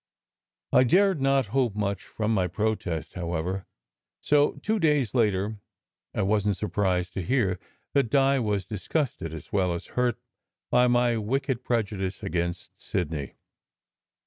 I dared not hope much from my protest, however; so, two days later, I wasn t sur prised to hear that Di was disgusted as well as hurt by my "wicked prejudice against Sidney."